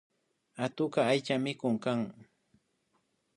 Atukka aychamikuk kan